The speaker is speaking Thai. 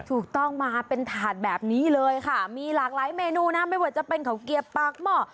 ถูกต้องมาเป็นถาดแบบนี้เลยค่ะมีหลากหลายเมนูนะไม่ว่าจะเป็นเขาเกียบปากหม้อ